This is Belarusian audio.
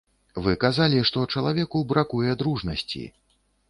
Вы казалі, што чалавеку бракуе дружнасці.